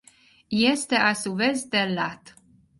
Y este a su vez del lat.